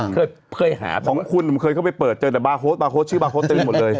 เคยหาของคุณเคยเข้าไปเปิดเจอแต่บาร์โฮสชื่อบาร์โฮสตึงหมดเลย